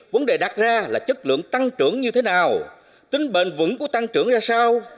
vấn đề đặt ra là chất lượng tăng trưởng như thế nào tính bền vững của tăng trưởng ra sao